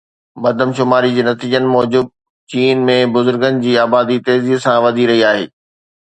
مردم شماري جي نتيجن موجب چين ۾ بزرگن جي آبادي تيزي سان وڌي رهي آهي